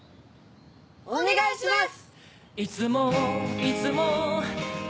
お願いします！